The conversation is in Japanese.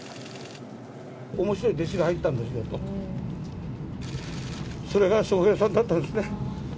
おもしろい弟子が入ったんですよと、それが笑瓶さんだったんですね。